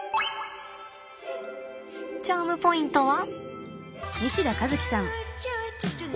チャームポイントは？